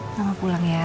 selamat pulang ya